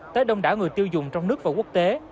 tới đông đảo người tiêu dùng trong nước và quốc tế